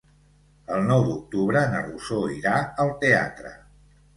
El nou d'octubre na Rosó irà al teatre.